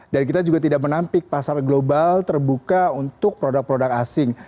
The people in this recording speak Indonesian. dan kita juga tidak menampik pasar global terbuka untuk produk produk asing